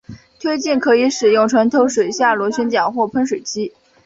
推进可以使用传统水下螺旋桨或喷水机。